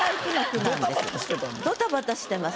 ドタバタしてます。